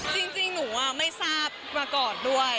จริงหนูไม่ทราบมาก่อนด้วย